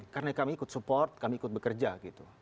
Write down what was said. karena kami ikut support kami ikut bekerja gitu